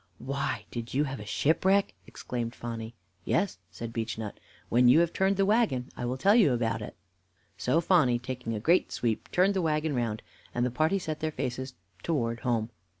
"Why, did you have a shipwreck?" exclaimed Phonny. "Yes," said Beechnut. "When you have turned the wagon, I will tell you about it." So Phonny, taking a great sweep, turned the wagon round, and the party set their faces toward home.